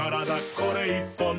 これ１本で」